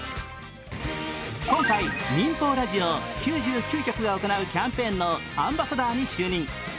今回民放ラジオ９９局が行うキャンペーンのアンバサダーに就任。